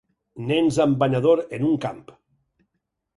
Nens amb banyador en un camp.